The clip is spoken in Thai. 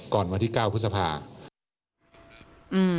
ก่อนมาที่๙พฤษภาคม